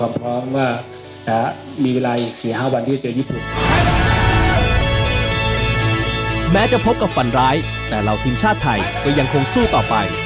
แม้จะพบกับฝันร้ายแต่เราทีมชาติไทยก็ยังคงสู้ต่อไป